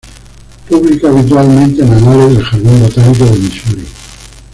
Publica habitualmente en Anales del Jardín Botánico de Misuri.